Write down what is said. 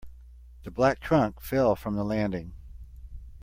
The black trunk fell from the landing.